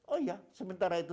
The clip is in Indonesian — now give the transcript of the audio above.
oh ya sementara itu